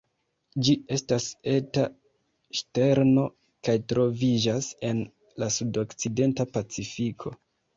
Ĝi estas eta ŝterno kaj troviĝas en la sudokcidenta Pacifiko.